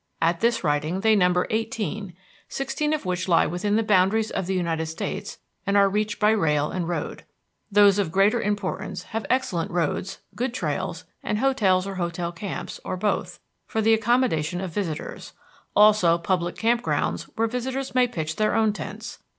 At this writing they number eighteen, sixteen of which lie within the boundaries of the United States and are reached by rail and road. Those of greater importance have excellent roads, good trails, and hotels or hotel camps, or both, for the accommodation of visitors; also public camp grounds where visitors may pitch their own tents.